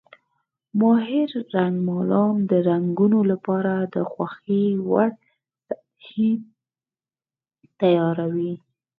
ماهر رنګمالان د رنګونو لپاره د خوښې وړ سطحې تیاروي.